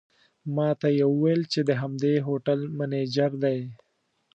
ماته یې وویل چې د همدې هوټل منیجر دی.